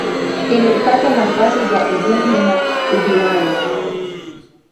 kilipata nafasi za ubunge na udiwani